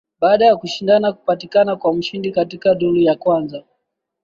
baada kushindana kupatikana kwa mshindi katika duru ya kwanza